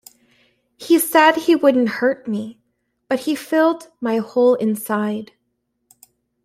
He said he wouldn't hurt me, but he filled my whole inside.